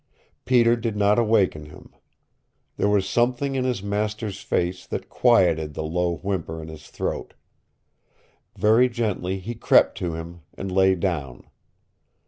Peter did not awaken him. There was something in his master's face that quieted the low whimper in his throat. Very gently he crept to him, and lay down.